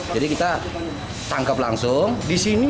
jadi kita tangkap langsung